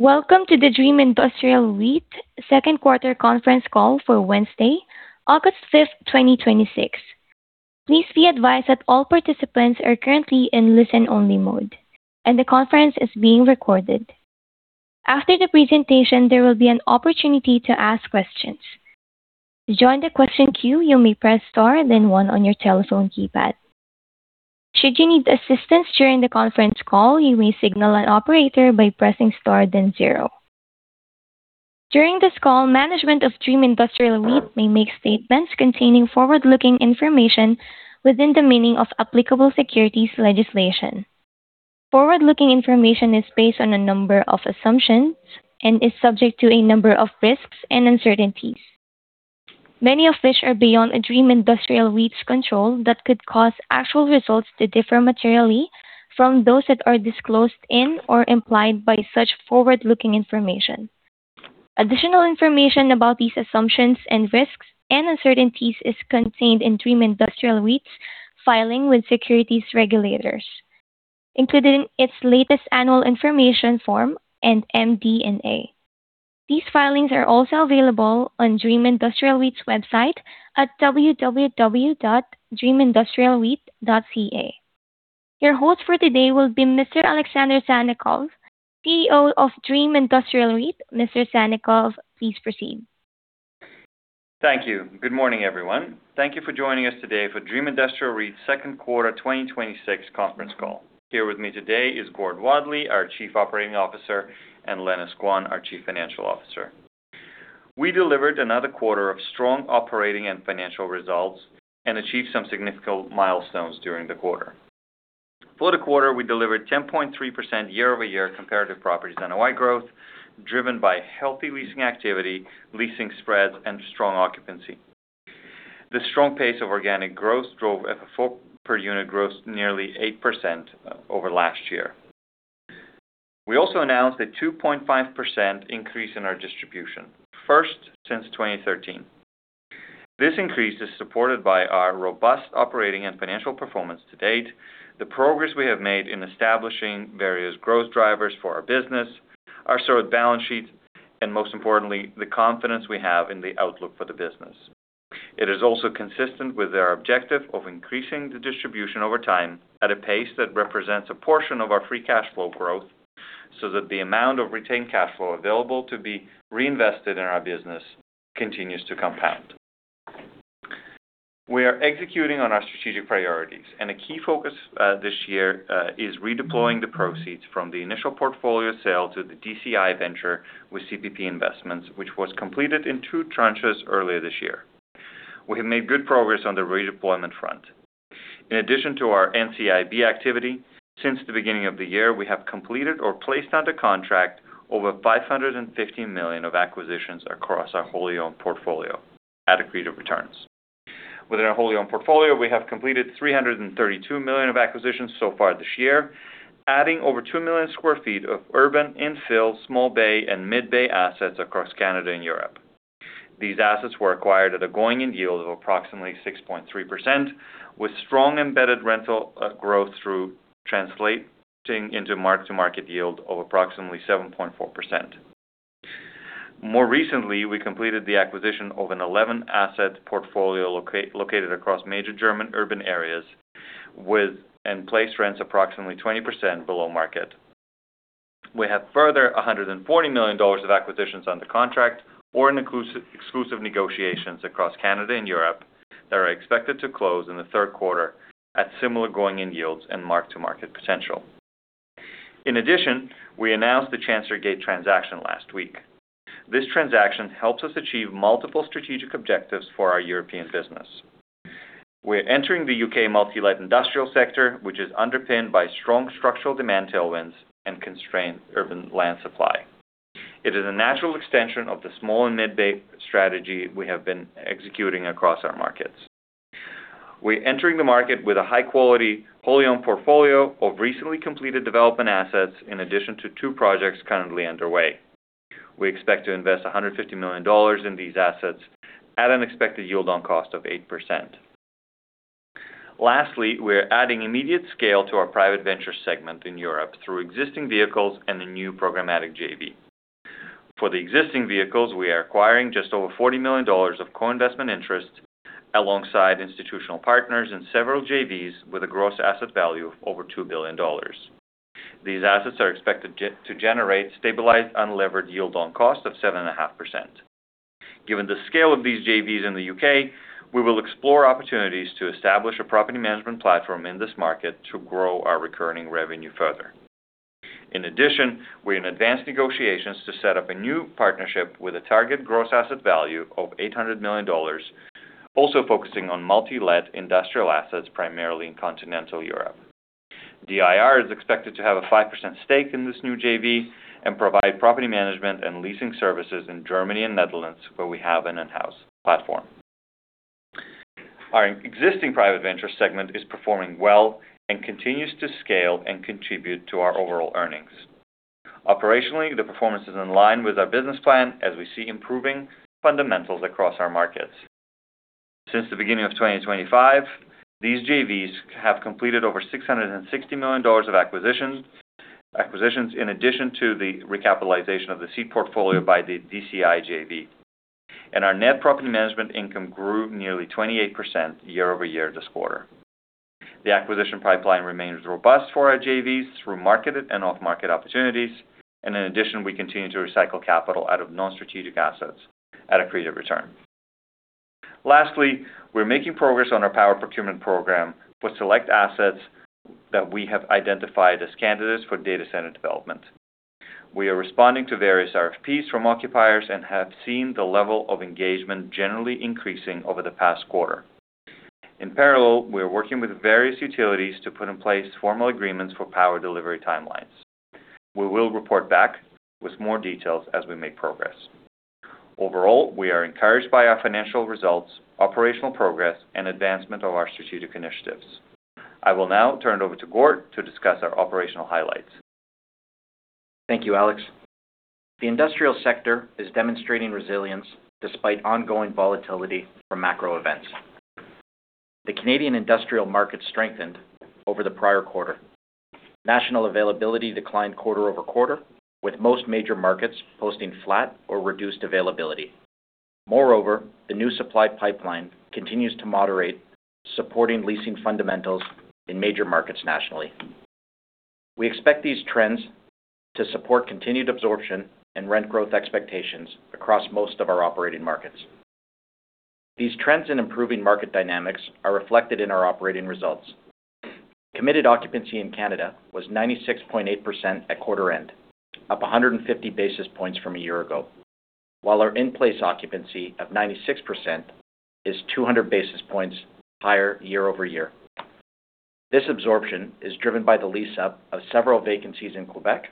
Welcome to the Dream Industrial REIT Second Quarter Conference Call for Wednesday, August 5th, 2026. Please be advised that all participants are currently in listen-only mode, and the conference is being recorded. After the presentation, there will be an opportunity to ask questions. To join the question queue, you may press star then one on your telephone keypad. Should you need assistance during the conference call, you may signal an operator by pressing star then zero. During this call, management of Dream Industrial REIT may make statements containing forward-looking information within the meaning of applicable securities legislation. Forward-looking information is based on a number of assumptions and is subject to a number of risks and uncertainties, many of which are beyond Dream Industrial REIT's control that could cause actual results to differ materially from those that are disclosed in or implied by such forward-looking information. Additional information about these assumptions and risks and uncertainties is contained in Dream Industrial REIT's filing with securities regulators, including its latest annual information form and MD&A. These filings are also available on Dream Industrial REIT's website at www.dreamindustrialreit.ca. Your host for today will be Mr. Alex Sannikov, CEO of Dream Industrial REIT. Mr. Sannikov, please proceed. Thank you. Good morning, everyone. Thank you for joining us today for Dream Industrial REIT's second quarter 2026 conference call. Here with me today is Gord Wadley, our Chief Operating Officer, and Lenis Quan, our Chief Financial Officer. We delivered another quarter of strong operating and financial results and achieved some significant milestones during the quarter. For the quarter, we delivered 10.3% year-over-year comparative properties NOI growth, driven by healthy leasing activity, leasing spreads, and strong occupancy. The strong pace of organic growth drove FFO per unit growth nearly 8% over last year. We also announced a 2.5% increase in our distribution, first since 2013. This increase is supported by our robust operating and financial performance to date, the progress we have made in establishing various growth drivers for our business, our solid balance sheet, and most importantly, the confidence we have in the outlook for the business. It is also consistent with our objective of increasing the distribution over time at a pace that represents a portion of our free cash flow growth, so that the amount of retained cash flow available to be reinvested in our business continues to compound. We are executing on our strategic priorities, and a key focus this year is redeploying the proceeds from the initial portfolio sale to the DCI venture with CPP Investments, which was completed in two tranches earlier this year. We have made good progress on the redeployment front. In addition to our NCIB activity, since the beginning of the year, we have completed or placed under contract over 550 million of acquisitions across our wholly owned portfolio at accretive returns. Within our wholly owned portfolio, we have completed 332 million of acquisitions so far this year, adding over 2 million square feet of urban infill, small bay and mid bay assets across Canada and Europe. These assets were acquired at a going-in yield of approximately 6.3%, with strong embedded rental growth through translating into mark-to-market yield of approximately 7.4%. More recently, we completed the acquisition of an 11-asset portfolio located across major German urban areas with in-place rents approximately 20% below market. We have further 140 million dollars of acquisitions under contract or in exclusive negotiations across Canada and Europe that are expected to close in the third quarter at similar going-in yields and mark-to-market potential. In addition, we announced the Chancerygate transaction last week. This transaction helps us achieve multiple strategic objectives for our European business. We're entering the U.K. multi-let industrial sector, which is underpinned by strong structural demand tailwinds and constrained urban land supply. It is a natural extension of the small and mid bay strategy we have been executing across our markets. We're entering the market with a high-quality, wholly owned portfolio of recently completed development assets, in addition to two projects currently underway. We expect to invest 150 million dollars in these assets at an expected yield on cost of 8%. Lastly, we're adding immediate scale to our private venture segment in Europe through existing vehicles and the new programmatic JV. For the existing vehicles, we are acquiring just over 40 million dollars of co-investment interest alongside institutional partners and several JVs with a gross asset value of over 2 billion dollars. These assets are expected to generate stabilized unlevered yield on cost of 7.5%. Given the scale of these JVs in the U.K., we will explore opportunities to establish a property management platform in this market to grow our recurring revenue further. In addition, we're in advanced negotiations to set up a new partnership with a target gross asset value of 800 million dollars, also focusing on multi-let industrial assets, primarily in continental Europe. DIR is expected to have a 5% stake in this new JV and provide property management and leasing services in Germany and Netherlands, where we have an in-house platform. Our existing private venture segment is performing well and continues to scale and contribute to our overall earnings. Operationally, the performance is in line with our business plan as we see improving fundamentals across our markets. Since the beginning of 2025, these JVs have completed over 660 million dollars of acquisitions, in addition to the recapitalization of the seed portfolio by the DCI JV. Our net property management income grew nearly 28% year-over-year this quarter. The acquisition pipeline remains robust for our JVs through marketed and off-market opportunities. In addition, we continue to recycle capital out of non-strategic assets at accretive return. Lastly, we're making progress on our power procurement program for select assets that we have identified as candidates for data center development. We are responding to various RFPs from occupiers and have seen the level of engagement generally increasing over the past quarter. In parallel, we are working with various utilities to put in place formal agreements for power delivery timelines. We will report back with more details as we make progress. Overall, we are encouraged by our financial results, operational progress, and advancement of our strategic initiatives. I will now turn it over to Gord to discuss our operational highlights. Thank you, Alex. The industrial sector is demonstrating resilience despite ongoing volatility from macro events. The Canadian industrial market strengthened over the prior quarter. National availability declined quarter-over-quarter, with most major markets posting flat or reduced availability. The new supply pipeline continues to moderate, supporting leasing fundamentals in major markets nationally. We expect these trends to support continued absorption and rent growth expectations across most of our operating markets. These trends in improving market dynamics are reflected in our operating results. Committed occupancy in Canada was 96.8% at quarter end, up 150 basis points from a year ago, while our in-place occupancy of 96% is 200 basis points higher year-over-year. This absorption is driven by the lease-up of several vacancies in Québec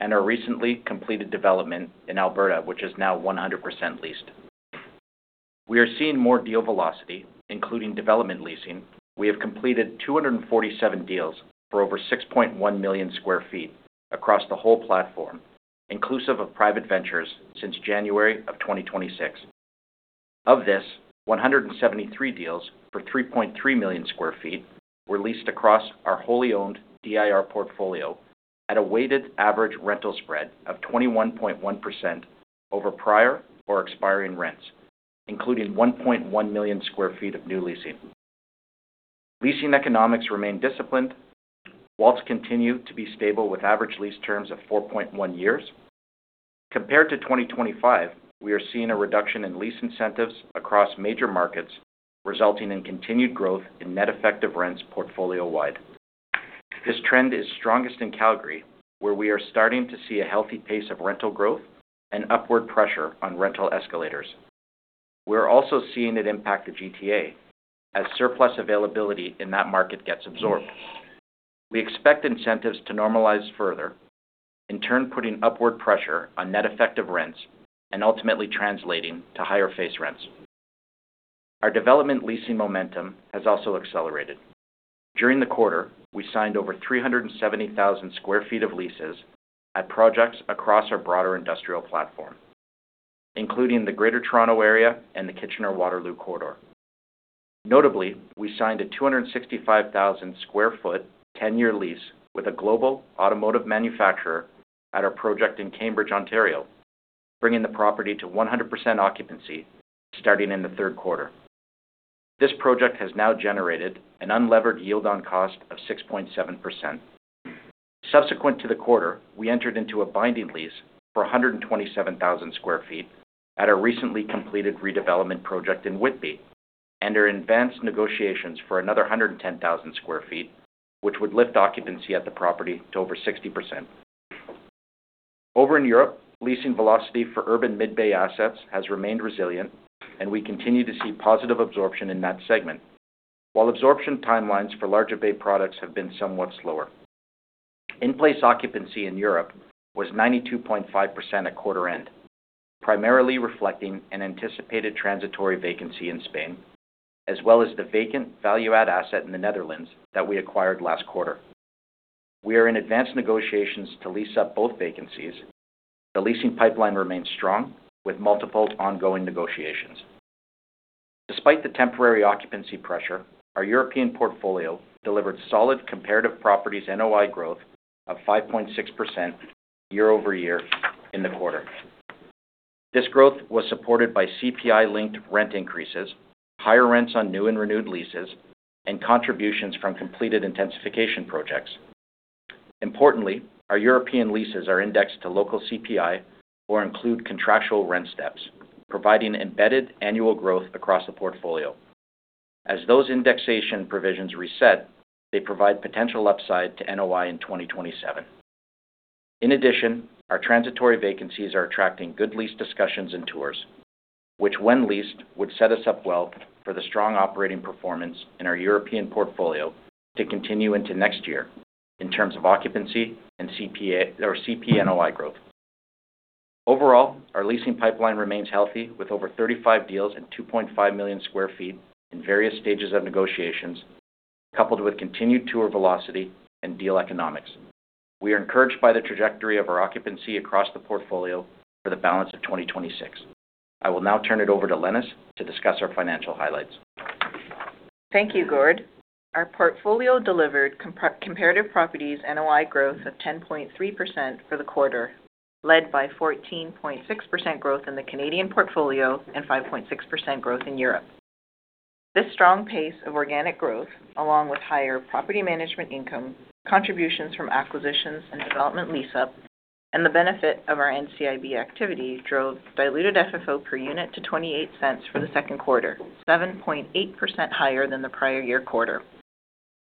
and our recently completed development in Alberta, which is now 100% leased. We are seeing more deal velocity, including development leasing. We have completed 247 deals for over 6.1 million square feet across the whole platform, inclusive of private ventures since January of 2026. Of this, 173 deals for 3.3 million square feet were leased across our wholly owned DIR portfolio at a weighted average rental spread of 21.1% over prior or expiring rents, including 1.1 million square feet of new leasing. Leasing economics remain disciplined. WALTs continue to be stable with average lease terms of 4.1 years. Compared to 2025, we are seeing a reduction in lease incentives across major markets, resulting in continued growth in net effective rents portfolio-wide. This trend is strongest in Calgary, where we are starting to see a healthy pace of rental growth and upward pressure on rental escalators. We're also seeing it impact the GTA, as surplus availability in that market gets absorbed. We expect incentives to normalize further, in turn putting upward pressure on net effective rents and ultimately translating to higher face rents. Our development leasing momentum has also accelerated. During the quarter, we signed over 370,000 sq ft of leases at projects across our broader industrial platform, including the Greater Toronto Area and the Kitchener-Waterloo Corridor. Notably, we signed a 265,000 sq ft, 10-year lease with a global automotive manufacturer at our project in Cambridge, Ontario, bringing the property to 100% occupancy starting in the third quarter. This project has now generated an unlevered yield on cost of 6.7%. Subsequent to the quarter, we entered into a binding lease for 127,000 sq ft at a recently completed redevelopment project in Whitby, and are in advanced negotiations for another 110,000 sq ft, which would lift occupancy at the property to over 60%. Over in Europe, leasing velocity for urban mid-bay assets has remained resilient. We continue to see positive absorption in that segment. Absorption timelines for larger bay products have been somewhat slower. In-place occupancy in Europe was 92.5% at quarter end, primarily reflecting an anticipated transitory vacancy in Spain, as well as the vacant value add asset in the Netherlands that we acquired last quarter. We are in advanced negotiations to lease up both vacancies. The leasing pipeline remains strong with multiple ongoing negotiations. Despite the temporary occupancy pressure, our European portfolio delivered solid comparative properties NOI growth of 5.6% year-over-year in the quarter. This growth was supported by CPI-linked rent increases, higher rents on new and renewed leases, and contributions from completed intensification projects. Our European leases are indexed to local CPI or include contractual rent steps, providing embedded annual growth across the portfolio. Those indexation provisions reset, they provide potential upside to NOI in 2027. Our transitory vacancies are attracting good lease discussions and tours, which when leased, would set us up well for the strong operating performance in our European portfolio to continue into next year in terms of occupancy and CP or CPNOI growth. Our leasing pipeline remains healthy with over 35 deals and 2.5 million square feet in various stages of negotiations. Coupled with continued tour velocity and deal economics. We are encouraged by the trajectory of our occupancy across the portfolio for the balance of 2026. I will now turn it over to Lenis to discuss our financial highlights. Thank you, Gord. Our portfolio delivered comparative properties NOI growth of 10.3% for the quarter, led by 14.6% growth in the Canadian portfolio and 5.6% growth in Europe. This strong pace of organic growth, along with higher property management income, contributions from acquisitions and development lease up, and the benefit of our NCIB activity, drove diluted FFO per unit to 0.28 for the second quarter, 7.8% higher than the prior year quarter.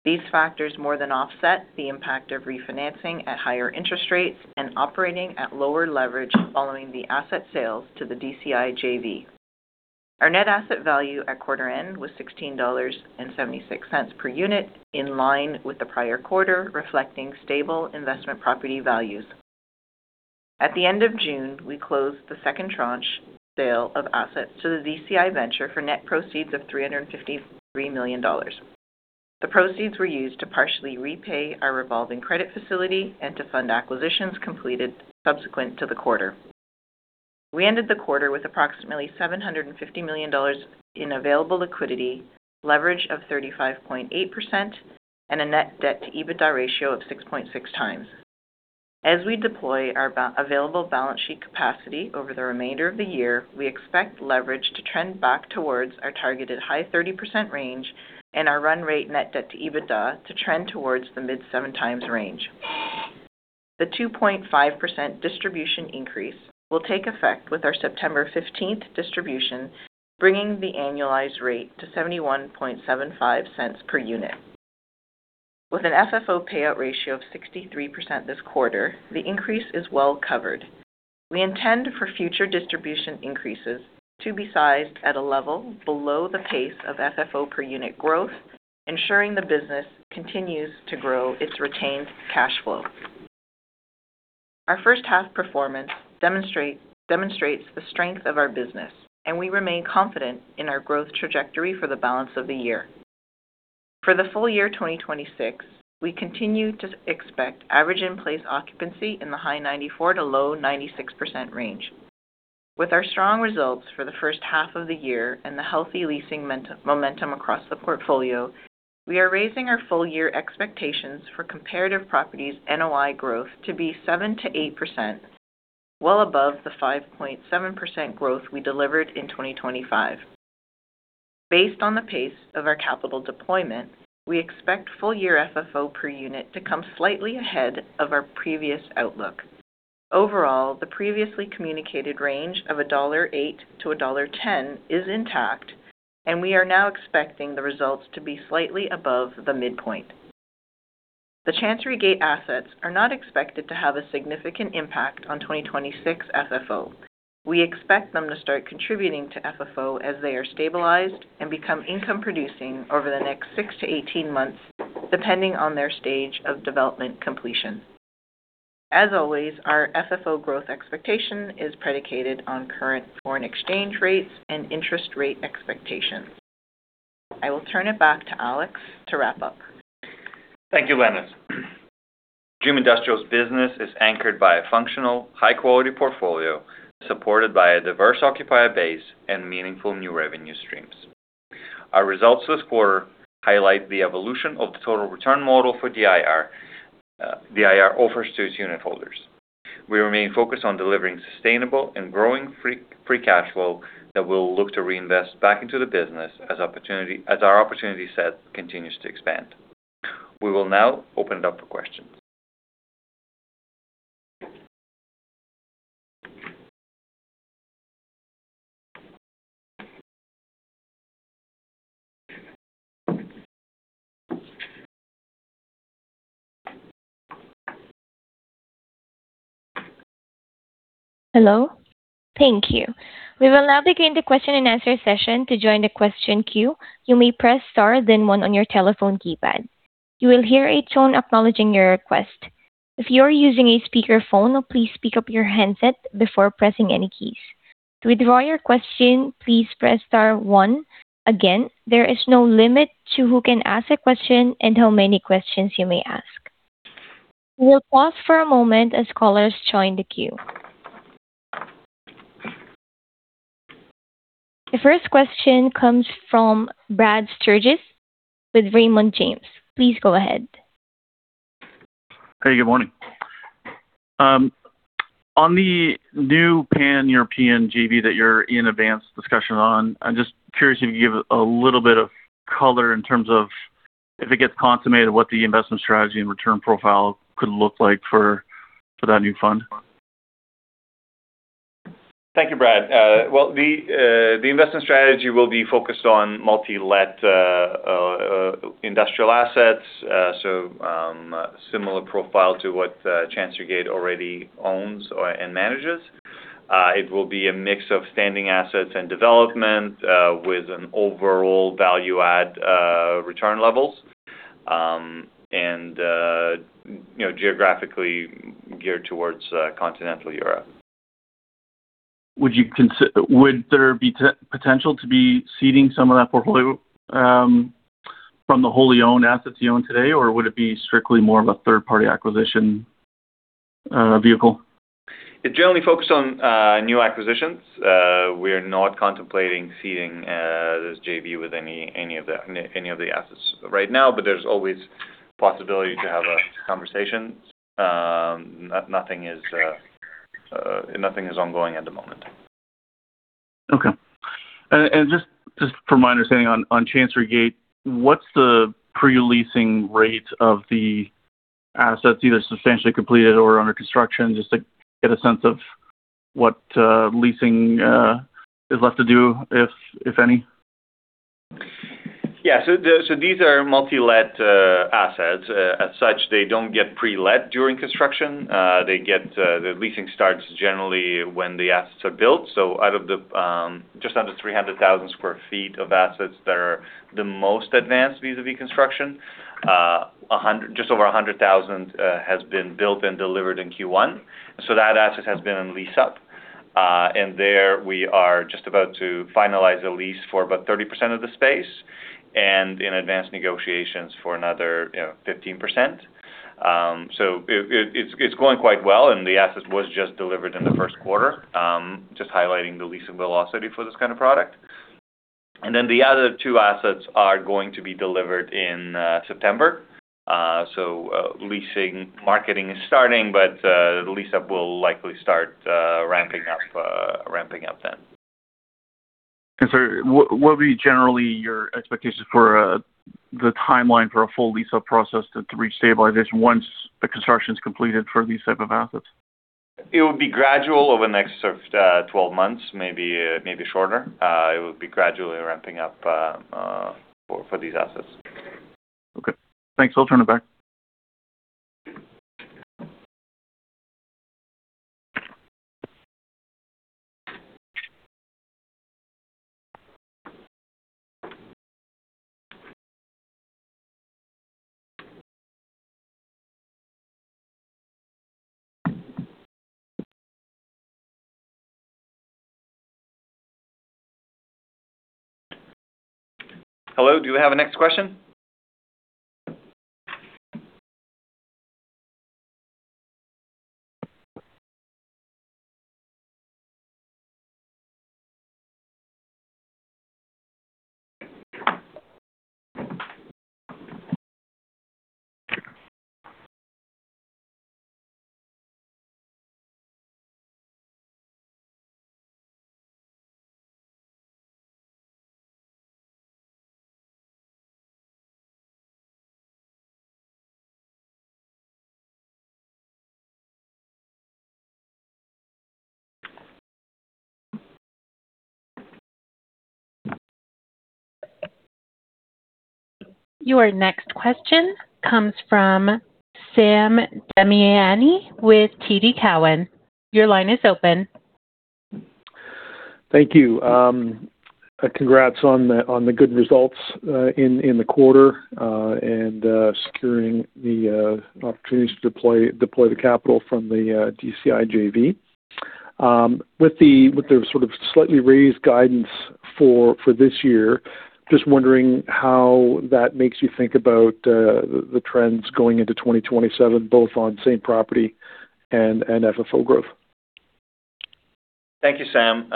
These factors more than offset the impact of refinancing at higher interest rates and operating at lower leverage following the asset sales to the DCI JV. Our net asset value at quarter end was 16.76 dollars per unit, in line with the prior quarter, reflecting stable investment property values. At the end of June, we closed the second tranche sale of assets to the DCI JV for net proceeds of 353 million dollars. The proceeds were used to partially repay our revolving credit facility and to fund acquisitions completed subsequent to the quarter. We ended the quarter with approximately 750 million dollars in available liquidity, leverage of 35.8%, and a net debt to EBITDA ratio of 6.6x. As we deploy our available balance sheet capacity over the remainder of the year, we expect leverage to trend back towards our targeted high 30% range and our run rate net debt to EBITDA to trend towards the mid 7x range. The 2.5% distribution increase will take effect with our September 15th distribution, bringing the annualized rate to 0.7175 per unit. With an FFO payout ratio of 63% this quarter, the increase is well covered. We intend for future distribution increases to be sized at a level below the pace of FFO per unit growth, ensuring the business continues to grow its retained cash flow. Our first half performance demonstrates the strength of our business, and we remain confident in our growth trajectory for the balance of the year. For the full year 2026, we continue to expect average in-place occupancy in the high 94%-low 96% range. With our strong results for the first half of the year and the healthy leasing momentum across the portfolio, we are raising our full-year expectations for comparative properties NOI growth to be 7%-8%, well above the 5.7% growth we delivered in 2025. Based on the pace of our capital deployment, we expect full-year FFO per unit to come slightly ahead of our previous outlook. Overall, the previously communicated range of 1.08-1.10 dollar is intact, and we are now expecting the results to be slightly above the midpoint. The Chancerygate assets are not expected to have a significant impact on 2026 FFO. We expect them to start contributing to FFO as they are stabilized and become income producing over the next 6-18 months, depending on their stage of development completion. As always, our FFO growth expectation is predicated on current foreign exchange rates and interest rate expectations. I will turn it back to Alex to wrap up. Thank you, Lenis. Dream Industrial's business is anchored by a functional, high-quality portfolio, supported by a diverse occupier base and meaningful new revenue streams. Our results this quarter highlight the evolution of the total return model for DIR offers to its unitholders. We remain focused on delivering sustainable and growing free cash flow that we will look to reinvest back into the business as our opportunity set continues to expand. We will now open it up for questions. Hello. Thank you. We will now begin the question-and-answer session. To join the question queue, you may press star then one on your telephone keypad. You will hear a tone acknowledging your request. If you are using a speakerphone, please pick up your handset before pressing any keys. To withdraw your question, please press star one. Again, there is no limit to who can ask a question and how many questions you may ask. We will pause for a moment as callers join the queue. The first question comes from Brad Sturges with Raymond James. Please go ahead. Hey, good morning. On the new pan-European JV that you're in advanced discussion on, I'm just curious if you can give a little bit of color in terms of, if it gets consummated, what the investment strategy and return profile could look like for that new fund? Thank you, Brad. Well, the investment strategy will be focused on multi-let industrial assets, so similar profile to what Chancerygate already owns or/and manages. It will be a mix of standing assets and development with an overall value add return levels. Geographically geared towards continental Europe. Would there be potential to be ceding some of that portfolio from the wholly owned assets you own today, or would it be strictly more of a third-party acquisition vehicle? It generally focused on new acquisitions. We are not contemplating seeding this JV with any of the assets right now, but there is always possibility to have a conversation. Nothing is ongoing at the moment. Okay. Just for my understanding on Chancerygate, what is the pre-leasing rate of the assets, either substantially completed or under construction, just to get a sense of what leasing is left to do, if any? Yeah. These are multi-let assets. As such, they do not get pre-let during construction. The leasing starts generally when the assets are built. Out of the just under 300,000 sq ft of assets that are the most advanced vis-à-vis construction, just over 100,000 sq ft has been built and delivered in Q1. That asset has been in lease up. There we are just about to finalize a lease for about 30% of the space and in advanced negotiations for another 15%. It is going quite well, and the asset was just delivered in the first quarter. Just highlighting the leasing velocity for this kind of product. Then the other two assets are going to be delivered in September. Leasing marketing is starting, but the lease-up will likely start ramping up then. What would be generally your expectation for the timeline for a full lease-up process to reach stabilization once the construction is completed for these type of assets? It would be gradual over the next sort of 12 months, maybe shorter. It would be gradually ramping up for these assets. Okay, thanks. I'll turn it back. Your next question comes from Sam Damiani with TD Cowen. Your line is open. Thank you. Congrats on the good results in the quarter and securing the opportunities to deploy the capital from the DCI JV. With the sort of slightly raised guidance for this year, just wondering how that makes you think about the trends going into 2027, both on same property and FFO growth? Thank you, Sam.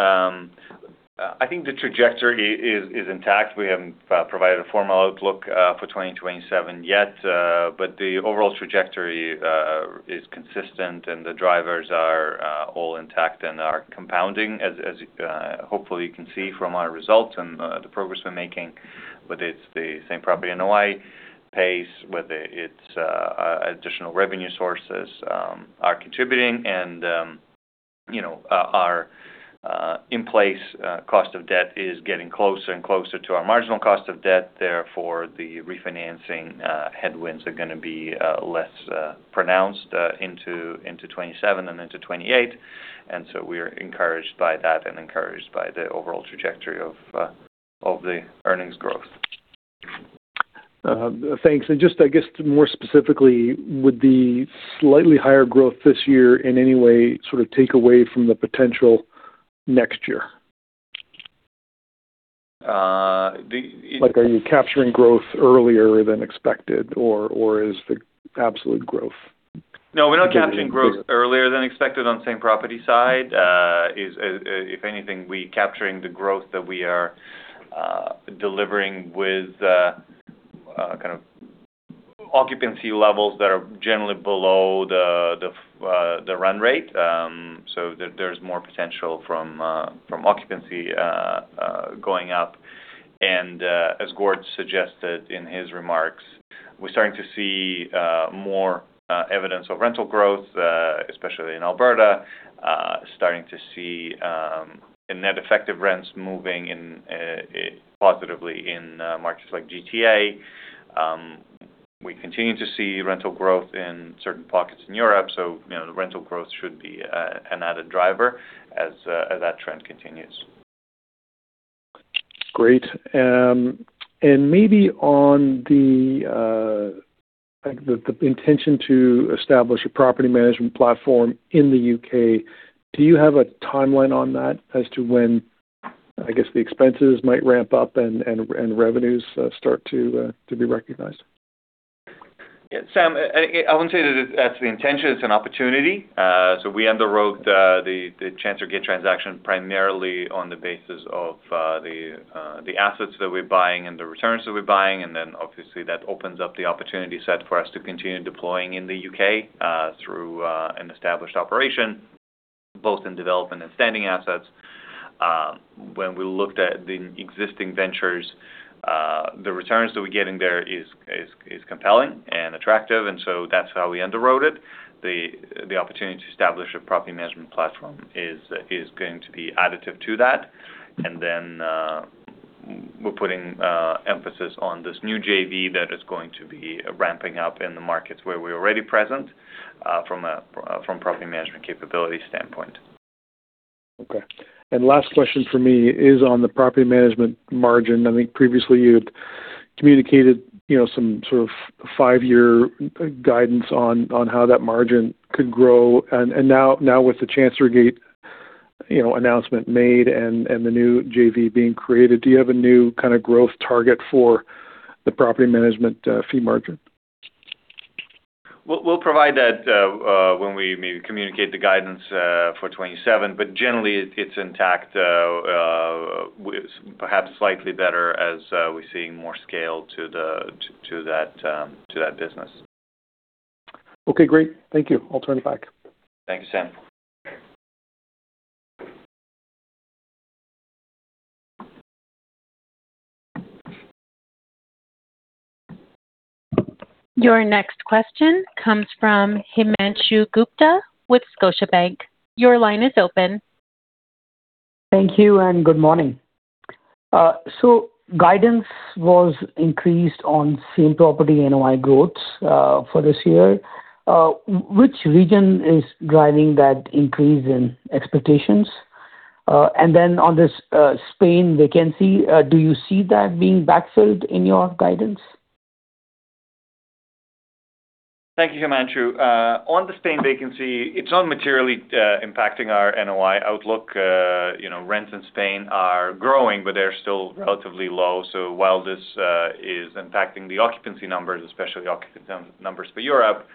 I think the trajectory is intact. We haven't provided a formal outlook for 2027 yet, the overall trajectory is consistent, the drivers are all intact and are compounding. As hopefully you can see from our results and the progress we're making, whether it's the same property NOI pace, whether it's additional revenue sources are contributing our in-place cost of debt is getting closer and closer to our marginal cost of debt. Therefore, the refinancing headwinds are going to be less pronounced into 2027 and into 2028. We're encouraged by that and encouraged by the overall trajectory of the earnings growth. Thanks. Just, I guess, more specifically, would the slightly higher growth this year in any way sort of take away from the potential next year? Like, are you capturing growth earlier than expected, or is the absolute growth getting bigger? No, we're not capturing growth earlier than expected on same property side. If anything, we capturing the growth that we are delivering with kind of occupancy levels that are generally below the run rate. There's more potential from occupancy going up. As Gord suggested in his remarks, we're starting to see more evidence of rental growth, especially in Alberta. Starting to see net effective rents moving positively in markets like GTA. We continue to see rental growth in certain pockets in Europe, so the rental growth should be an added driver as that trend continues. Great. Maybe on the intention to establish a property management platform in the U.K., do you have a timeline on that as to when, I guess the expenses might ramp up and revenues start to be recognized? Yeah, Sam, I wouldn't say that's the intention. It's an opportunity. We underwrote the Chancerygate transaction primarily on the basis of the assets that we're buying and the returns that we're buying. Then obviously that opens up the opportunity set for us to continue deploying in the U.K., through an established operation both in development and standing assets. When we looked at the existing ventures, the returns that we're getting there is compelling and attractive, and so that's how we underwrote it. The opportunity to establish a property management platform is going to be additive to that. Then, we're putting emphasis on this new JV that is going to be ramping up in the markets where we're already present, from property management capability standpoint. Okay. Last question for me is on the property management margin. I think previously you had communicated some sort of five-year guidance on how that margin could grow. Now with the Chancerygate announcement made and the new JV being created, do you have a new kind of growth target for the property management fee margin? We'll provide that when we communicate the guidance for 2027. Generally, it's intact, perhaps slightly better as we're seeing more scale to that business. Okay, great. Thank you. I'll turn it back. Thanks, Sam. Your next question comes from Himanshu Gupta with Scotiabank. Your line is open. Thank you and good morning. Guidance was increased on same property NOI growths, for this year. Which region is driving that increase in expectations? On this Spain vacancy, do you see that being backfilled in your guidance? Thank you, Himanshu. On the Spain vacancy, it is not materially impacting our NOI outlook. Rents in Spain are growing, but they are still relatively low. While this is impacting the occupancy numbers, especially the occupancy numbers for Europe,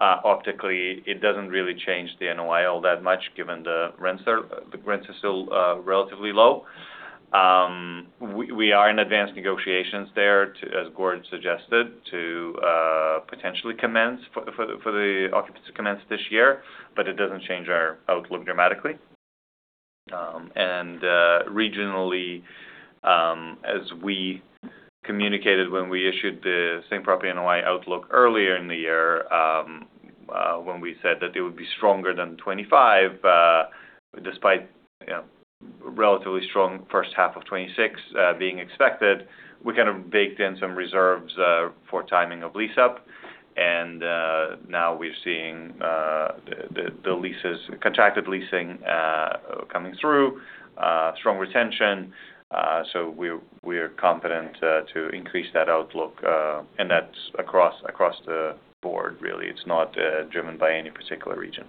optically, it does not really change the NOI all that much given the rents are still relatively low. We are in advanced negotiations there, as Gord suggested, to potentially commence for the occupancy commence this year, but it does not change our outlook dramatically. Regionally, as we communicated when we issued the same property NOI outlook earlier in the year, when we said that it would be stronger than 2025, despite relatively strong first half of 2026 being expected, we kind of baked in some reserves for timing of lease up. Now we are seeing the leases, contracted leasing coming through, strong retention. We are confident to increase that outlook, and that is across the board really. It is not driven by any particular region.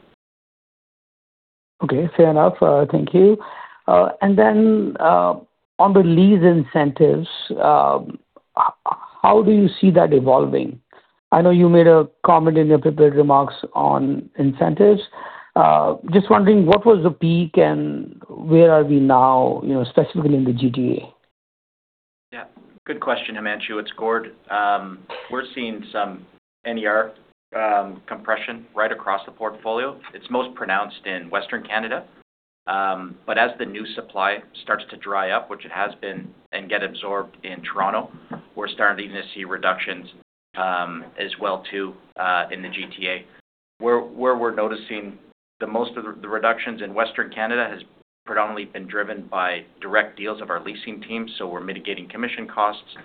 Okay, fair enough. Thank you. On the lease incentives, how do you see that evolving? I know you made a comment in your prepared remarks on incentives. Just wondering what was the peak and where are we now, specifically in the GTA? Yeah, good question, Himanshu. It's Gord. We're seeing some NER compression right across the portfolio. It's most pronounced in Western Canada. As the new supply starts to dry up, which it has been, and get absorbed in Toronto, we're starting to see reductions as well too, in the GTA. Where we're noticing the most of the reductions in Western Canada has predominantly been driven by direct deals of our leasing team, so we're mitigating commission costs.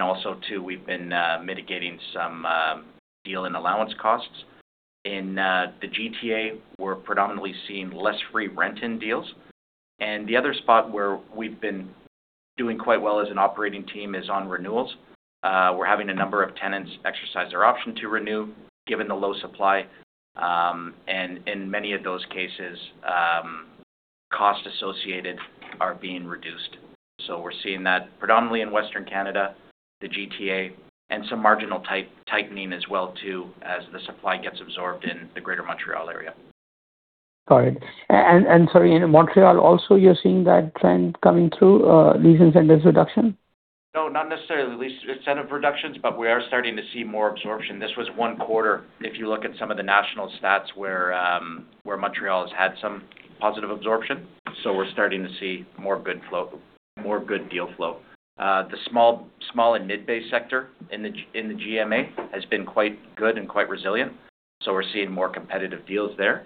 Also too, we've been mitigating some deal and tenant allowance costs. In the GTA, we're predominantly seeing less free rent-in deals. The other spot where we've been doing quite well as an operating team is on renewals. We're having a number of tenants exercise their option to renew, given the low supply. In many of those cases, costs associated are being reduced. We're seeing that predominantly in Western Canada, the GTA, and some marginal tightening as well too, as the supply gets absorbed in the greater Montreal area. Got it. Sorry, in Montreal also, you're seeing that trend coming through, lease incentives reduction? No, not necessarily the lease incentive reductions, but we are starting to see more absorption. This was one quarter. If you look at some of the national stats where Montreal has had some positive absorption, we're starting to see more good deal flow. The small and mid-bay sector in the GMA has been quite good and quite resilient, we're seeing more competitive deals there.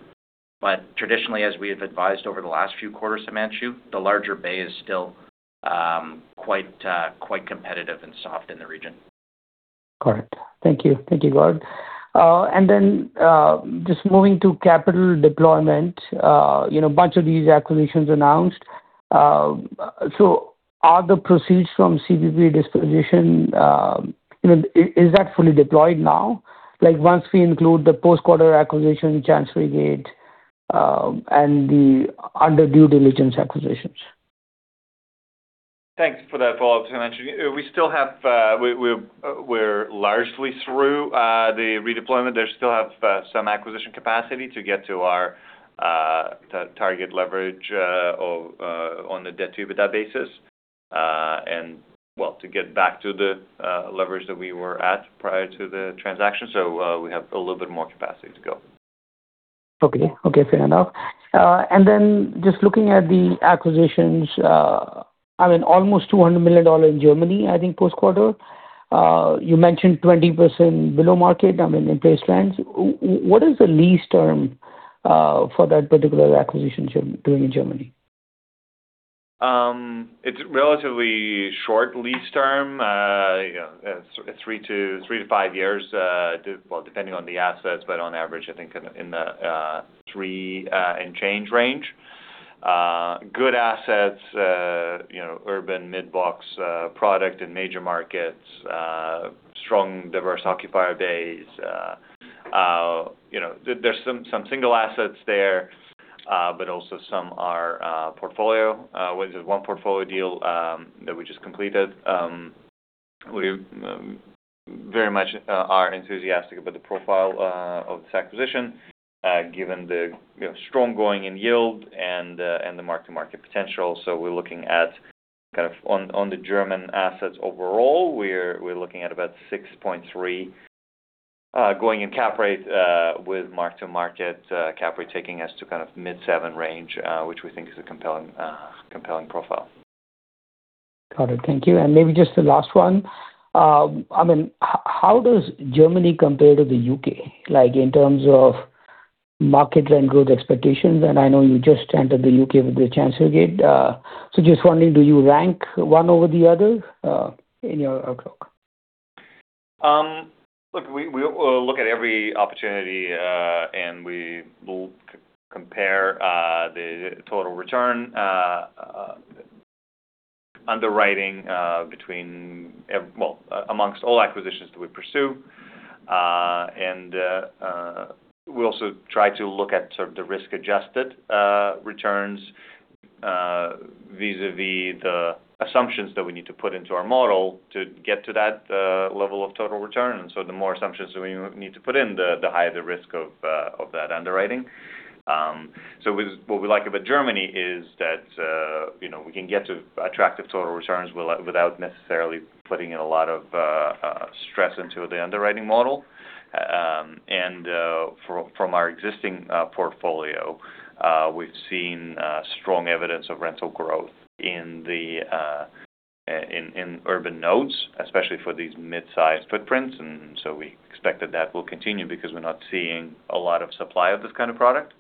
Traditionally, as we have advised over the last few quarters, Himanshu, the larger bay is still quite competitive and soft in the region. Correct. Thank you, Gord. Just moving to capital deployment, a bunch of these acquisitions announced. Are the proceeds from CPP disposition, is that fully deployed now? Once we include the post-quarter acquisition, Chancerygate, and the under due diligence acquisitions. Thanks for that follow-up, Himanshu. We're largely through the redeployment. They still have some acquisition capacity to get to our target leverage on the debt to EBITDA basis. To get back to the leverage that we were at prior to the transaction. We have a little bit more capacity to go. Okay. Fair enough. Just looking at the acquisitions, almost 200 million dollars in Germany, I think post-quarter. You mentioned 20% below market in place rents. What is the lease term for that particular acquisition doing in Germany? It's relatively short lease term. Three to five years, well, depending on the assets, but on average, I think in the three and change range. Good assets, urban mid-box product in major markets, strong diverse occupier base. There's some single assets there, but also some are portfolio. There's one portfolio deal that we just completed. We very much are enthusiastic about the profile of this acquisition, given the strong going-in yield and the mark-to-market potential. We're looking at kind of on the German assets overall, we're looking at about 6.3 going in cap rate, with mark-to-market cap rate taking us to kind of mid seven range, which we think is a compelling profile. Got it. Thank you. Maybe just the last one. How does Germany compare to the U.K. in terms of market rent growth expectations? I know you just entered the U.K. with the Chancerygate. Just wondering, do you rank one over the other in your outlook? Look, we'll look at every opportunity. We will compare the total return underwriting amongst all acquisitions that we pursue. We also try to look at sort of the risk-adjusted returns vis-a-vis the assumptions that we need to put into our model to get to that level of total return. The more assumptions that we need to put in, the higher the risk of that underwriting. What we like about Germany is that we can get to attractive total returns without necessarily putting in a lot of stress into the underwriting model. From our existing portfolio, we've seen strong evidence of rental growth in urban nodes, especially for these mid-sized footprints. We expect that that will continue because we're not seeing a lot of supply of this kind of product.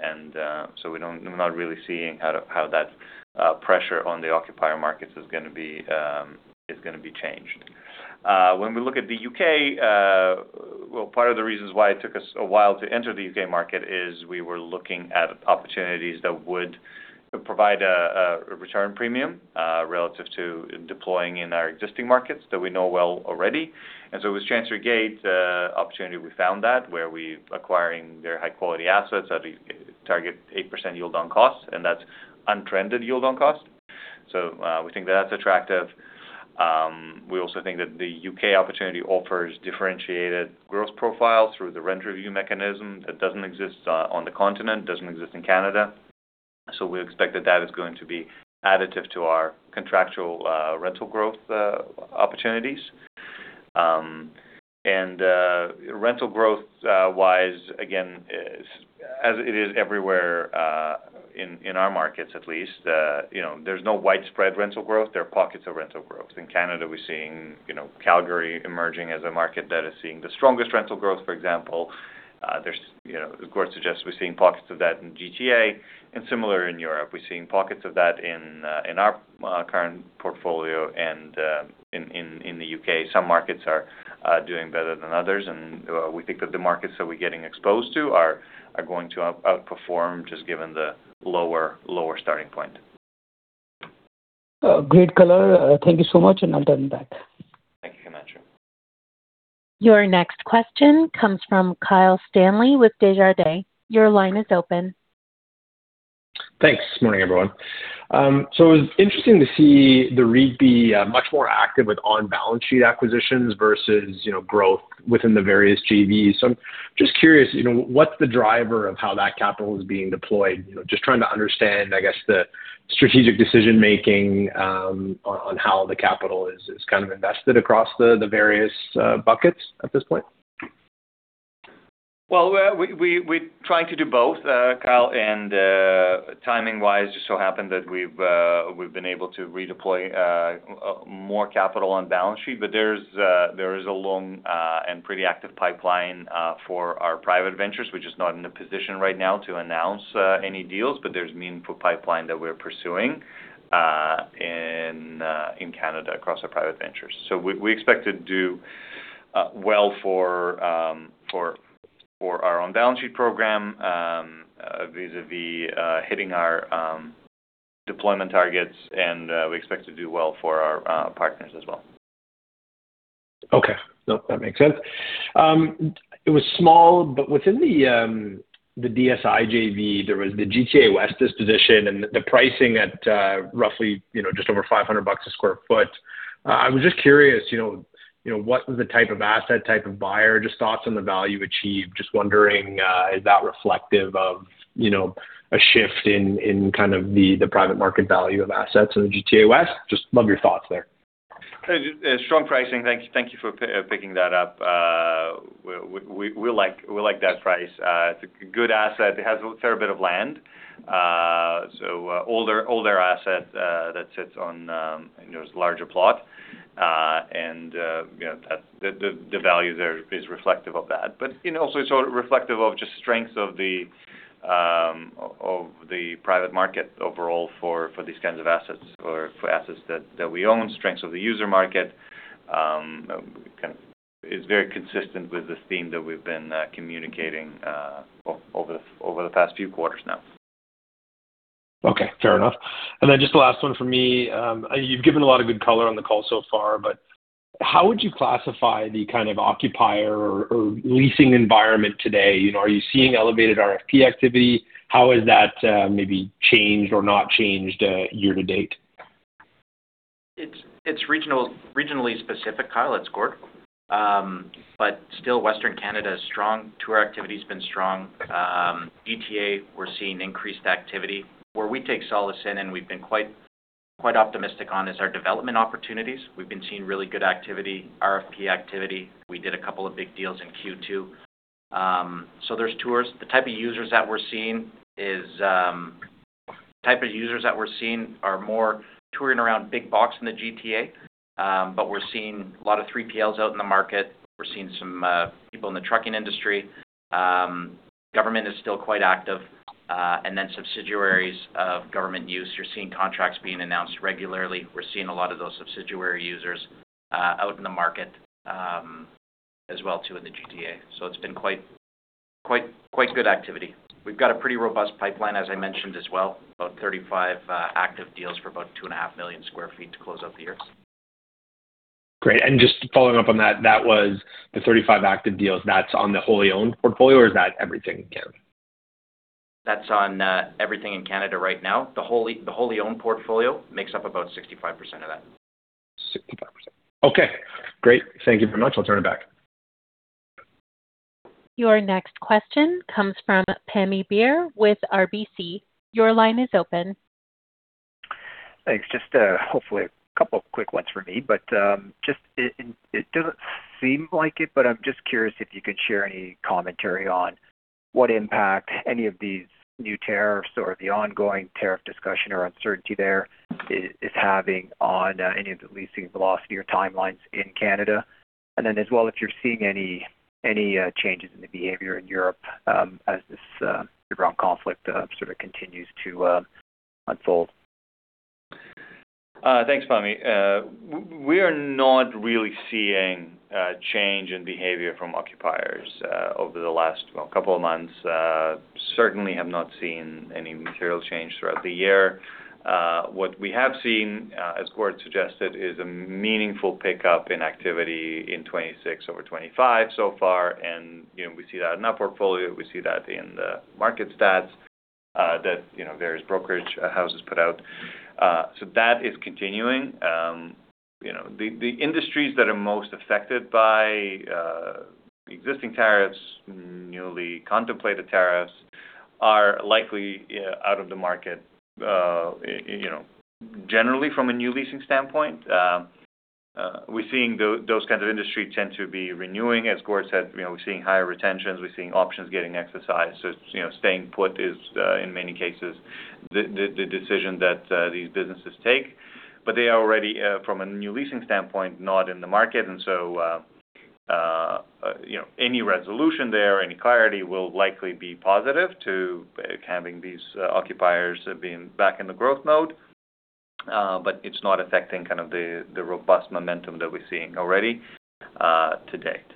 We're not really seeing how that pressure on the occupier markets is going to be changed. When we look at the U.K., well, part of the reasons why it took us a while to enter the U.K. market is we were looking at opportunities that would provide a return premium relative to deploying in our existing markets that we know well already. With Chancerygate opportunity, we found that where we acquiring their high-quality assets at a target 8% yield on cost, and that's untrended yield on cost. We think that that's attractive. We also think that the U.K. opportunity offers differentiated growth profile through the rent review mechanism that doesn't exist on the continent, doesn't exist in Canada. We expect that that is going to be additive to our contractual rental growth opportunities. Rental growth-wise, again, as it is everywhere in our markets at least, there's no widespread rental growth. There are pockets of rental growth. In Canada, we're seeing Calgary emerging as a market that is seeing the strongest rental growth, for example. Of course, we're seeing pockets of that in GTA and similar in Europe. We're seeing pockets of that in our current portfolio and in the U.K. Some markets are doing better than others. We think that the markets that we're getting exposed to are going to outperform just given the lower starting point. Great color. Thank you so much, and I'll turn it back. Thank you, Himanshu. Your next question comes from Kyle Stanley with Desjardins. Your line is open. Thanks. Morning, everyone. It was interesting to see the REIT be much more active with on-balance-sheet acquisitions versus growth within the various JVs. I'm just curious, what's the driver of how that capital is being deployed? Just trying to understand the strategic decision-making on how the capital is kind of invested across the various buckets at this point? Well, we're trying to do both, Kyle, timing-wise, just so happened that we've been able to redeploy more capital on balance sheet. There is a long and pretty active pipeline for our private ventures. We're just not in a position right now to announce any deals. There's meaningful pipeline that we're pursuing in Canada across our private ventures. We expect to do well for our own balance sheet program, vis-a-vis hitting our deployment targets, and we expect to do well for our partners as well. Okay. That makes sense. It was small, but within the DCI JV, there was the GTA West disposition and the pricing at roughly just over 500 bucks a square foot. I was just curious, what was the type of asset, type of buyer, just thoughts on the value achieved? Just wondering, is that reflective of a shift in the private market value of assets in the GTA West? Just love your thoughts there? Strong pricing. Thank you for picking that up. We like that price. It's a good asset. It has a fair bit of land. Older asset that sits on, and there's a larger plot. The value there is reflective of that. Also it's reflective of just strengths of the private market overall for these kinds of assets or for assets that we own, strengths of the user market, is very consistent with the theme that we've been communicating over the past few quarters now. Okay. Fair enough. Just the last one from me. You've given a lot of good color on the call so far, but how would you classify the kind of occupier or leasing environment today? Are you seeing elevated RFP activity? How has that maybe changed or not changed year to date? It's regionally specific, Kyle. It's Gord. Still Western Canada is strong. Tour activity's been strong. ETA, we're seeing increased activity. Where we take solace in, and we've been quite optimistic on, is our development opportunities. We've been seeing really good activity, RFP activity. We did a couple of big deals in Q2. There's tours. The type of users that we're seeing are more touring around big box in the GTA. We're seeing a lot of 3PLs out in the market. We're seeing some people in the trucking industry. Government is still quite active. Subsidiaries of government use. You're seeing contracts being announced regularly. We're seeing a lot of those subsidiary users out in the market as well too in the GTA. It's been quite good activity. We've got a pretty robust pipeline, as I mentioned as well, about 35 active deals for about 2.5 million square feet to close out the year. Great. Just following up on that was the 35 active deals. That's on the wholly owned portfolio, or is that everything in Canada? That's on everything in Canada right now. The wholly owned portfolio makes up about 65% of that. 65%. Okay, great. Thank you very much. I'll turn it back. Your next question comes from Pammi Bir with RBC. Your line is open. Thanks. Just hopefully a couple of quick ones for me. It doesn't seem like it, but I'm just curious if you could share any commentary on what impact any of these new tariffs or the ongoing tariff discussion or uncertainty there is having on any of the leasing velocity or timelines in Canada. As well, if you're seeing any changes in the behavior in Europe as this Iran conflict sort of continues to unfold. Thanks, Pammi. We are not really seeing a change in behavior from occupiers over the last couple of months. Certainly have not seen any material change throughout the year. What we have seen, as Gord suggested, is a meaningful pickup in activity in 2026 over 2025 so far, we see that in our portfolio. We see that in the market stats that various brokerage houses put out. That is continuing. The industries that are most affected by existing tariffs, newly contemplated tariffs, are likely out of the market generally from a new leasing standpoint. We're seeing those kinds of industries tend to be renewing. As Gord said, we're seeing higher retentions. We're seeing options getting exercised. Staying put is, in many cases, the decision that these businesses take. They are already, from a new leasing standpoint, not in the market. Any resolution there, any clarity will likely be positive to having these occupiers being back in the growth mode. It's not affecting kind of the robust momentum that we're seeing already to date.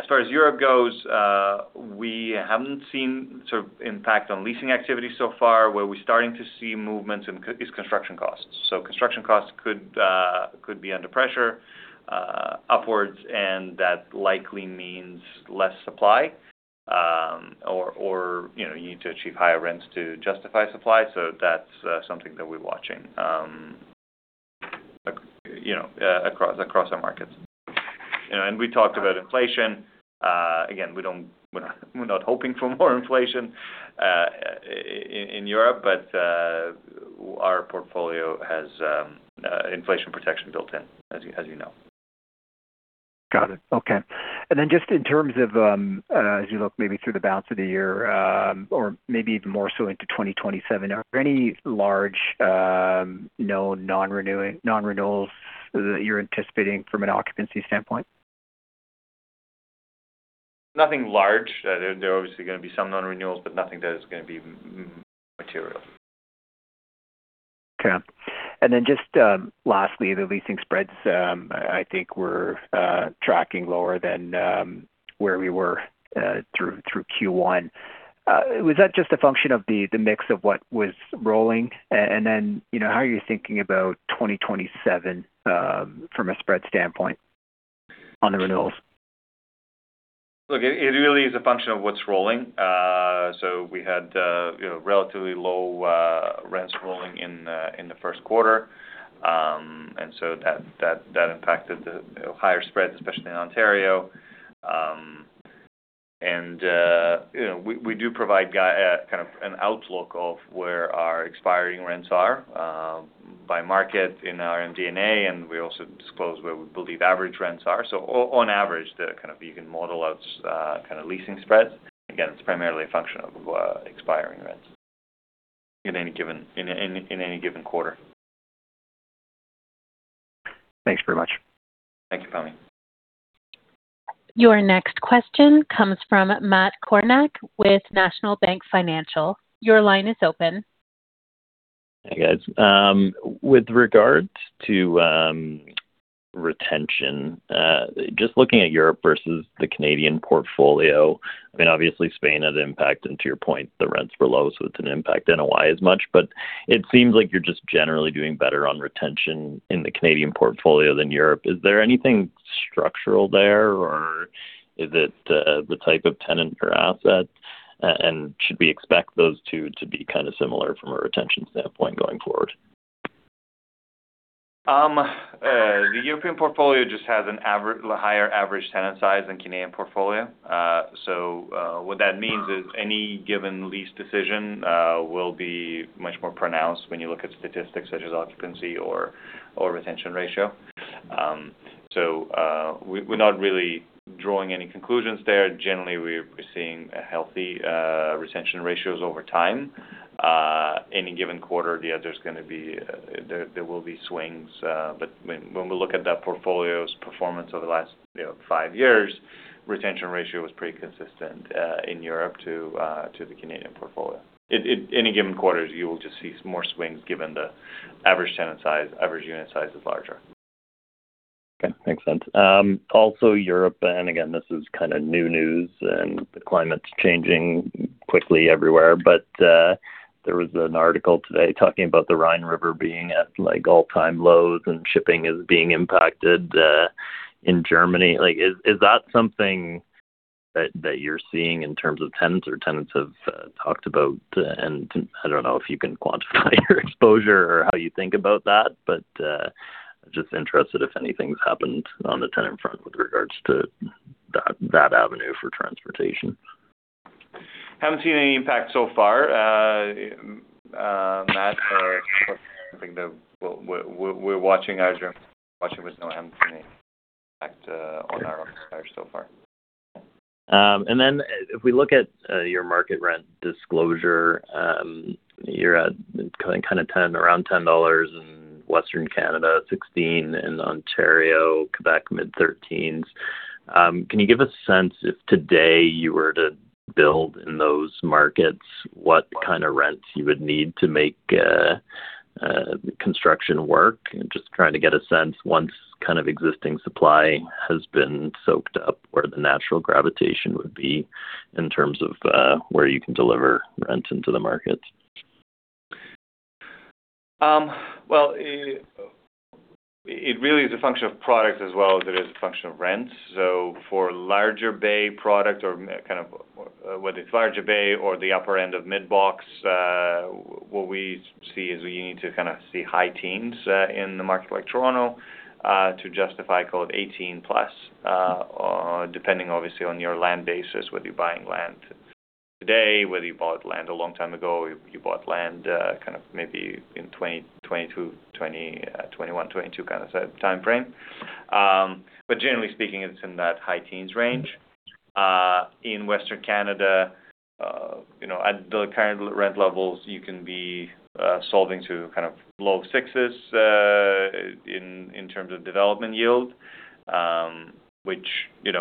As far as Europe goes, we haven't seen impact on leasing activity so far. Where we're starting to see movements is construction costs. Construction costs could be under pressure upwards, and that likely means less supply, or you need to achieve higher rents to justify supply. That's something that we're watching across our markets. We talked about inflation. Again, we're not hoping for more inflation in Europe, but our portfolio has inflation protection built in, as you know. Got it. Okay. Just in terms of, as you look maybe through the balance of the year or maybe even more so into 2027, are there any large known non-renewals that you're anticipating from an occupancy standpoint? Nothing large. There are obviously going to be some non-renewals. Nothing that is going to be material. Okay. Just lastly, the leasing spreads, I think were tracking lower than where we were through Q1. Was that just a function of the mix of what was rolling? How are you thinking about 2027, from a spread standpoint on the renewals? Look, it really is a function of what's rolling. We had relatively low rents rolling in the first quarter. That impacted the higher spreads, especially in Ontario. We do provide kind of an outlook of where our expiring rents are by market in our MD&A, and we also disclose where we believe average rents are. On average, the kind of you can model out kind of leasing spreads. Again, it's primarily a function of expiring rents in any given quarter. Thanks very much. Thank you Pammi. Your next question comes from Matt Kornack with National Bank Financial. Your line is open. Hi, guys. With regards to retention, just looking at Europe versus the Canadian portfolio, I mean, obviously Spain had an impact, and to your point, the rents were low, so it is an impact. NOI as much, but it seems like you are just generally doing better on retention in the Canadian portfolio than Europe. Is there anything structural there, or is it the type of tenant per asset? Should we expect those two to be kind of similar from a retention standpoint going forward? The European portfolio just has a higher average tenant size than Canadian portfolio. What that means is any given lease decision will be much more pronounced when you look at statistics such as occupancy or retention ratio. We are not really drawing any conclusions there. Generally, we are seeing healthy retention ratios over time. Any given quarter, there will be swings. When we look at that portfolio's performance over the last five years, retention ratio was pretty consistent in Europe to the Canadian portfolio. Any given quarters, you will just see more swings given the average tenant size, average unit size is larger. Okay, makes sense. Also Europe, again, this is kind of new news and the climate is changing quickly everywhere, but there was an article today talking about the Rhine River being at all-time lows and shipping is being impacted, in Germany. Is that something that you are seeing in terms of tenants or tenants have talked about? I do not know if you can quantify your exposure or how you think about that, but, just interested if anything has happened on the tenant front with regards to that avenue for transportation. Haven't seen any impact so far, Matt. We are watching as you are watching with no impact on our side so far. If we look at your market rent disclosure, you're at kind of around 10 dollars in Western Canada, 16 in Ontario, Québec mid-13s. Can you give a sense if today you were to build in those markets, what kind of rents you would need to make construction work? Just trying to get a sense once kind of existing supply has been soaked up where the natural gravitation would be in terms of where you can deliver rent into the markets. Well, it really is a function of product as well as it is a function of rent. For larger bay product or kind of whether it's larger bay or the upper end of mid-box, what we see is we need to kind of see high teens in the market like Toronto, to justify call it 18+. Depending obviously on your land basis, whether you're buying land today, whether you bought land a long time ago, you bought land kind of maybe in 2020, 2021, 2022 kind of timeframe. Generally speaking, it's in that high teens range. In Western Canada, at the current rent levels, you can be solving to kind of low sixes, in terms of development yield, which we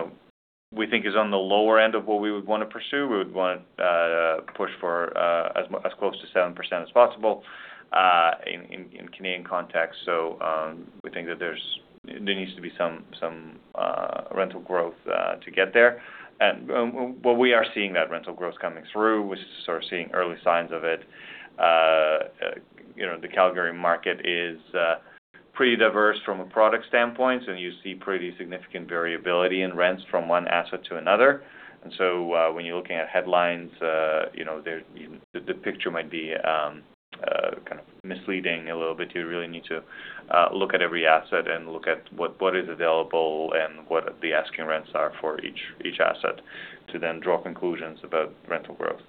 think is on the lower end of what we would want to pursue. We would want to push for as close to 7% as possible, in Canadian context. We think that there needs to be some rental growth to get there. Well, we are seeing that rental growth coming through. We're sort of seeing early signs of it. The Calgary market is pretty diverse from a product standpoint, and you see pretty significant variability in rents from one asset to another. When you're looking at headlines, the picture might be kind of misleading a little bit. You really need to look at every asset and look at what is available and what the asking rents are for each asset to then draw conclusions about rental growth.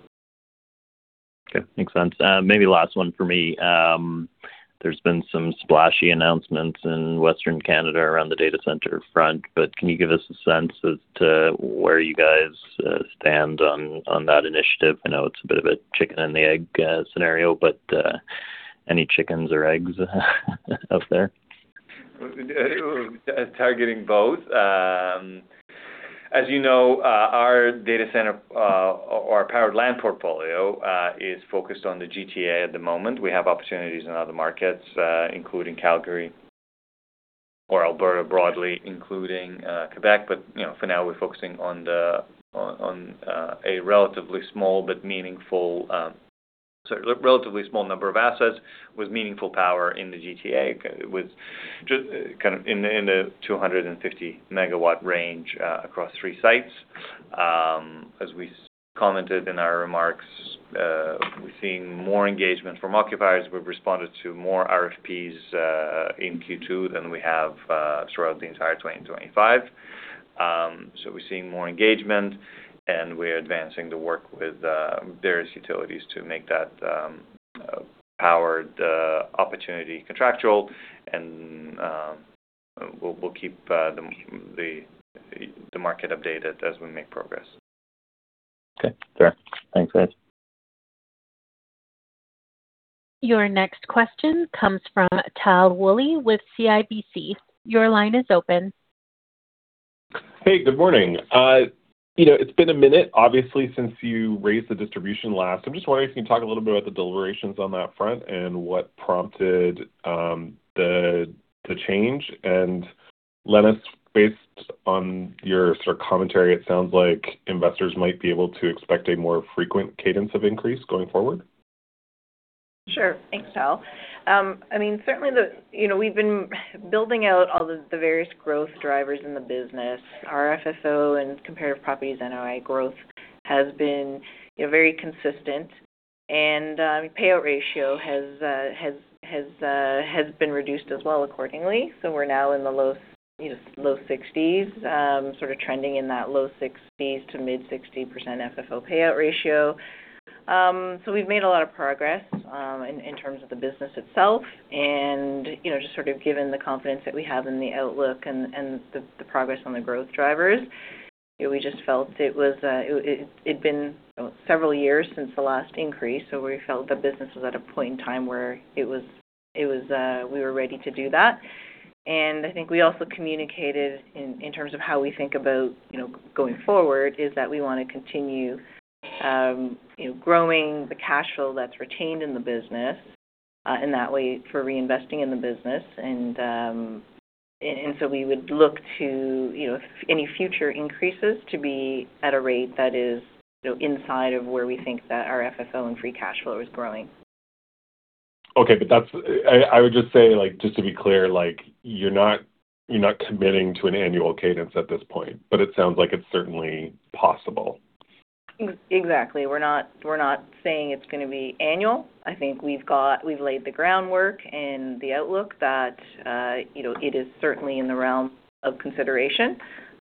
Okay, makes sense. Maybe last one for me. There's been some splashy announcements in Western Canada around the data center front, can you give us a sense as to where you guys stand on that initiative? I know it's a bit of a chicken and the egg scenario, any chickens or eggs out there? As you know, our land portfolio is focused on the GTA at the moment. We have opportunities in other markets, including Calgary. For now, we're focusing on a relatively small number of assets with meaningful power in the GTA, in the 250 MW range across three sites. As we commented in our remarks, we're seeing more engagement from occupiers. We've responded to more RFPs in Q2 than we have throughout the entire 2025. We're seeing more engagement, and we're advancing the work with various utilities to make that powered opportunity contractual. We'll keep the market updated as we make progress. Okay, sure. Thanks, guys. Your next question comes from Tal Woolley with CIBC. Your line is open. Hey, good morning. It's been a minute, obviously, since you raised the distribution last. I'm just wondering if you can talk a little bit about the deliberations on that front and what prompted the change. Lenis, based on your sort of commentary, it sounds like investors might be able to expect a more frequent cadence of increase going forward. Sure. Thanks, Tal. Certainly, we've been building out all the various growth drivers in the business. Our FFO and comparative properties NOI growth has been very consistent, and payout ratio has been reduced as well accordingly. We're now in the low 60s, sort of trending in that low 60s to mid-60% FFO payout ratio. We've made a lot of progress in terms of the business itself. Just sort of given the confidence that we have in the outlook and the progress on the growth drivers, we just felt it'd been several years since the last increase, so we felt the business was at a point in time where we were ready to do that. I think we also communicated in terms of how we think about going forward, is that we want to continue growing the cash flow that's retained in the business, and that way for reinvesting in the business. We would look to any future increases to be at a rate that is inside of where we think that our FFO and free cash flow is growing. Okay. I would just say, just to be clear, you're not committing to an annual cadence at this point, but it sounds like it's certainly possible. Exactly. We're not saying it's going to be annual. I think we've laid the groundwork and the outlook that it is certainly in the realm of consideration.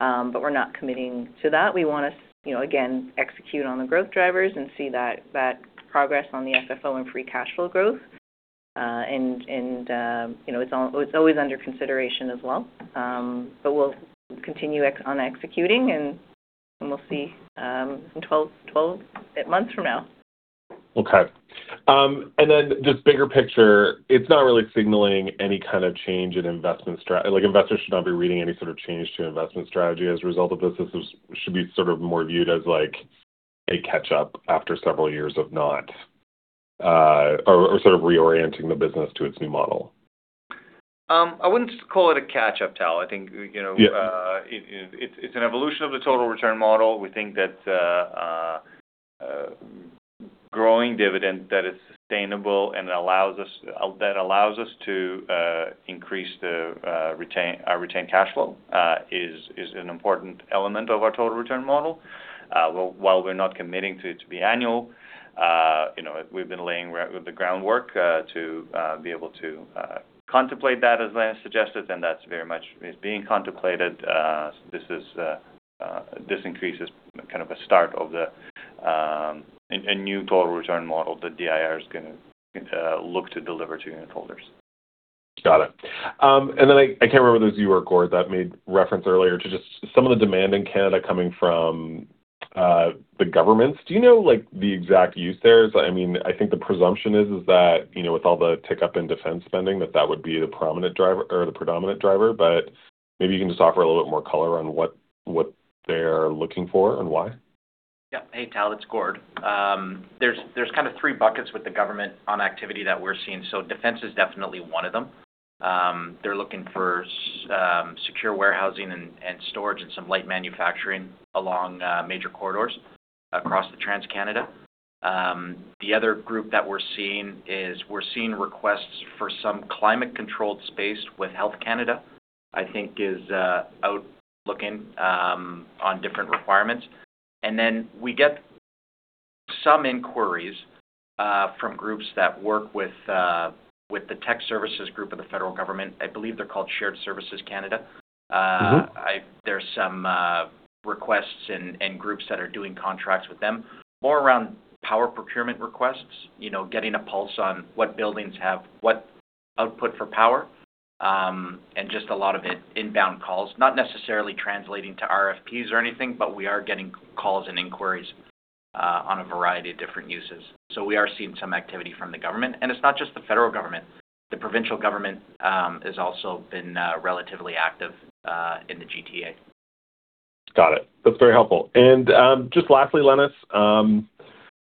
We're not committing to that. We want to, again, execute on the growth drivers and see that progress on the FFO and free cash flow growth. It's always under consideration as well. We'll continue on executing, and we'll see in 12 months from now. Okay. Just bigger picture, it's not really signaling any kind of change in investment strategy. Investors should not be reading any sort of change to your investment strategy as a result of this. This should be sort of more viewed as a catch-up after several years of not, or sort of reorienting the business to its new model. I wouldn't call it a catch-up, Tal. It's an evolution of the total return model. We think that growing dividend that is sustainable and that allows us to increase our retained cash flow is an important element of our total return model. While we're not committing to it to be annual, we've been laying the groundwork to be able to contemplate that, as Lenis suggested, that very much is being contemplated. This increase is kind of a start of a new total return model that DIR is going to look to deliver to unitholders. Got it. I can't remember, there's you or Gord that made reference earlier to just some of the demand in Canada coming from the governments. Do you know the exact use there is? I think the presumption is that with all the tick-up in defense spending, that that would be the predominant driver. Maybe you can just offer a little bit more color on what they're looking for and why? Hey, Tal, it's Gord. There's kind of three buckets with the government on activity that we're seeing. Defense is definitely one of them. They're looking for secure warehousing and storage and some light manufacturing along major corridors across the TransCanada. The other group that we're seeing is we're seeing requests for some climate-controlled space with Health Canada, I think is out looking on different requirements. We get some inquiries from groups that work with the tech services group of the federal government. I believe they're called Shared Services Canada. There's some requests and groups that are doing contracts with them, more around power procurement requests, getting a pulse on what buildings have what output for power, and just a lot of inbound calls, not necessarily translating to RFPs or anything, but we are getting calls and inquiries. On a variety of different uses. We are seeing some activity from the government, and it's not just the federal government. The provincial government has also been relatively active in the GTA. Got it. That's very helpful. Just lastly, Lenis, I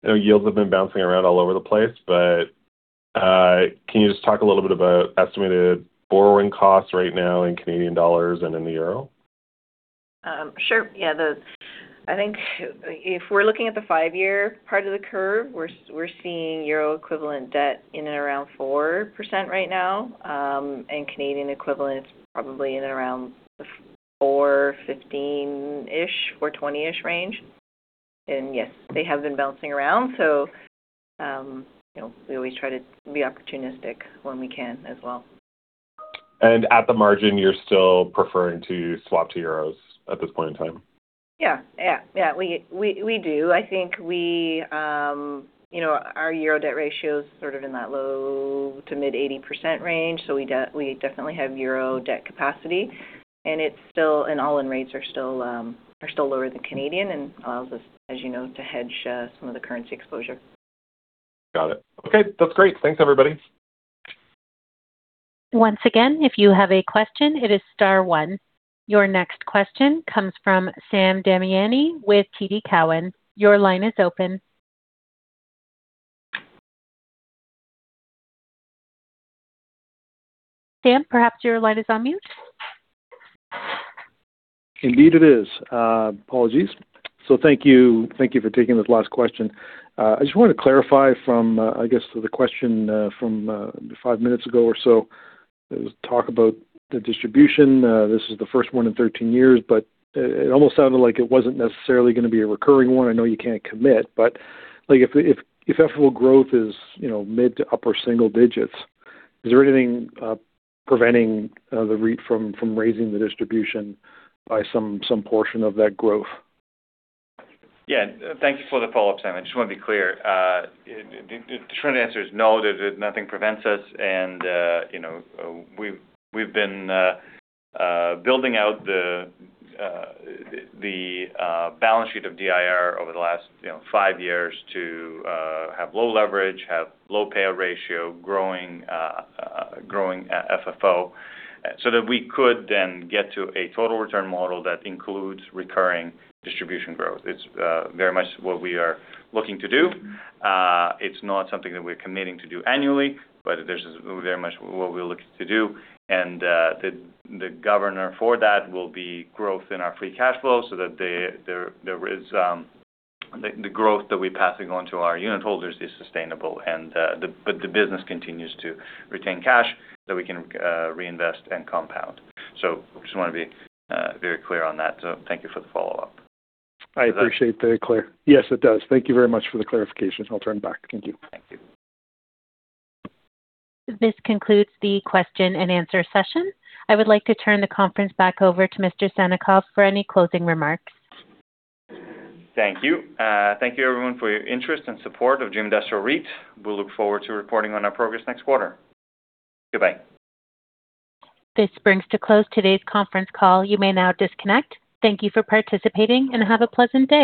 know yields have been bouncing around all over the place, but can you just talk a little bit about estimated borrowing costs right now in Canadian dollars and in the euro? Sure. Yeah. I think if we're looking at the five-year part of the curve, we're seeing EUR-equivalent debt in and around 4% right now. CAD equivalent, it's probably in around the 4.15-ish or 20-ish range. Yes, they have been bouncing around. We always try to be opportunistic when we can as well. At the margin, you're still preferring to swap to euros at this point in time? Yeah. We do. I think our euro debt ratio's sort of in that low to mid 80% range, so we definitely have euro debt capacity. All-in rates are still lower than CAD and allows us, as you know, to hedge some of the currency exposure. Got it. Okay, that's great. Thanks, everybody. Your next question comes from Sam Damiani with TD Cowen. Your line is open. Sam, perhaps your line is on mute. Indeed, it is. Apologies. Thank you for taking this last question. I just wanted to clarify from, I guess, the question from five minutes ago or so. There was talk about the distribution. This is the first one in 13 years, but it almost sounded like it wasn't necessarily going to be a recurring one. I know you can't commit, but if FFO growth is mid to upper single digits, is there anything preventing the REIT from raising the distribution by some portion of that growth? Yeah. Thank you for the follow-up, Sam. I just want to be clear. The short answer is no, nothing prevents us. We've been building out the balance sheet of DIR over the last five years to have low leverage, have low payout ratio, growing FFO so that we could then get to a total return model that includes recurring distribution growth. It's very much what we are looking to do. It's not something that we're committing to do annually, but this is very much what we're looking to do. The governor for that will be growth in our free cash flow so that the growth that we're passing on to our unit holders is sustainable, but the business continues to retain cash that we can reinvest and compound. I just want to be very clear on that. Thank you for the follow-up. I appreciate the Yes, it does. Thank you very much for the clarification. I'll turn it back. Thank you. Thank you. This concludes the question-and-answer session. I would like to turn the conference back over to Mr. Sannikov for any closing remarks. Thank you. Thank you everyone for your interest and support of Dream Industrial REIT. We look forward to reporting on our progress next quarter. Goodbye. This brings to close today's conference call. You may now disconnect. Thank you for participating, and have a pleasant day.